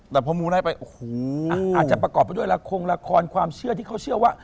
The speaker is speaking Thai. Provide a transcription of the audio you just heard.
แต่พอมูไล่ไปโอ้โหอาจจะประกอบไปด้วยละครละครความเชื่อที่เขาเชื่อว่า